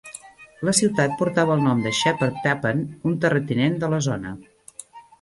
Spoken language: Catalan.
La ciutat portava el nom de Sheppard Tappen, un terratinent de la zona.